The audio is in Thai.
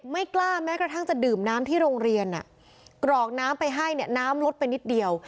ไม่กล้าแม้กระทั่งจะดื่มน้ำที่โรงเรียนกรอกน้ำไปให้เนี่ยน้ำลดไปนิดเดียว